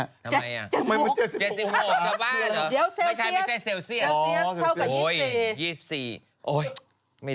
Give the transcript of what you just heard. ทำไมอ่ะ๗๖เหมือนบ้านเหรอ